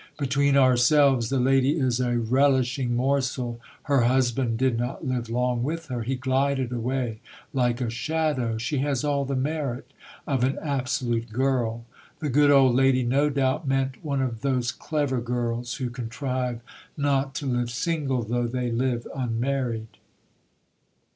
Between ourselves, the lady is a relishing morsel, her husband did not live long with her ; he glided away like a shadow : she has all the merit of an absolute girl. The good old lady, no doubt, meant one of those clever girls, who contrive not to live single, though they live unmarried.